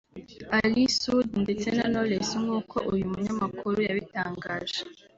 Ally Soudi ndetse na Knowless nkuko uyu munyamakuru yabitangaje